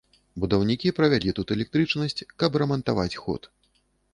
Будаўнікі правялі тут электрычнасць, каб рамантаваць ход.